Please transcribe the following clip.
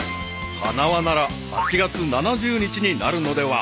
［ハナワなら８月７０日になるのでは］